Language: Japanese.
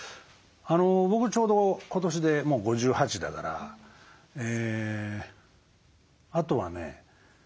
僕ちょうど今年でもう５８だからあとはね